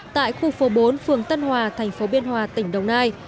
tại khu phố bốn phường tân hòa thành phố biên hòa tỉnh đồng nai